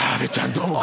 どうも。